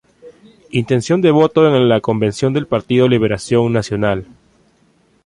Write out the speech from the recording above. Intención de voto en la convención del Partido Liberación Nacional